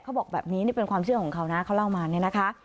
บอกแบบนี้นี่เป็นความเชื่อของเขานะเขาเล่ามาเนี่ยนะคะ